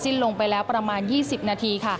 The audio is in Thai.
เสมอลงไปแล้วประมาณ๒๐นาที